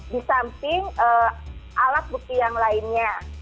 di samping alat bukti yang lainnya